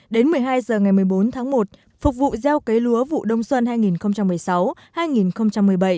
đến một mươi hai h ngày một mươi bốn tháng một phục vụ gieo cấy lúa vụ đông xuân hai nghìn một mươi sáu hai nghìn một mươi bảy